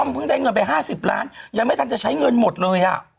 เพิ่งได้เงินไป๕๐ล้านยังไม่ทันจะใช้เงินหมดเลย